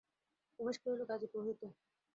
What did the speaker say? উমেশ কহিল, গাজিপুর হইতে।